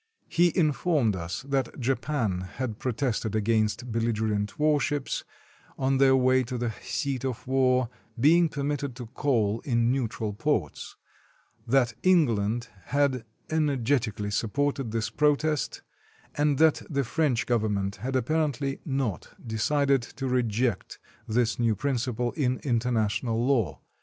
He informed us that Japan had protested against belligerent warships, on their way to the seat of war, being permitted to coal in neutral ports; that England had energetically supported this protest; and that the French Government had apparently not decided to reject this new principle in international law.